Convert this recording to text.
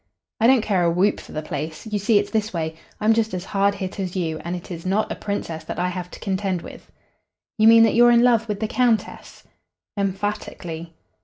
"I don't care a whoop for the place. You see, it's this way: I'm just as hard hit as you, and it is not a Princess that I have to contend with." "You mean that you are in love with the Countess?" "Emphatically."